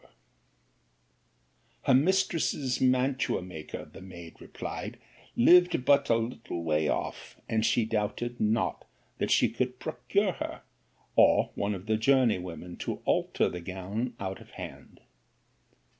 'Her mistress's mantua maker, the maid replied, lived but a little way off: and she doubted not that she could procure her, or one of the journey women to alter the gown out of hand.